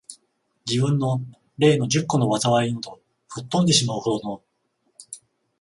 自分の例の十個の禍いなど、吹っ飛んでしまう程の、